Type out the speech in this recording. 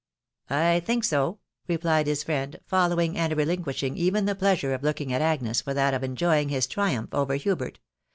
" I think eoy' Bellied his friend* following* and relinquishing even the pleasure of looking at Agnes for that of enjpying, his triumph over Hubert.